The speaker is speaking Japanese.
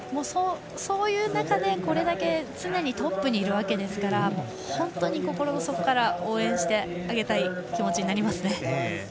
そういう中で常にトップにいるわけですから本当に心の底から応援してあげたい気持ちになりますね。